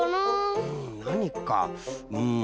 うんなにかうん。